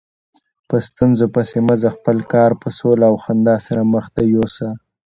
په ستونزو پسې مه ځه، خپل کار په سوله او خندا سره مخته یوسه.